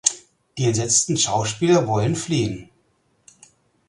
Die entsetzten Schauspieler wollen fliehen.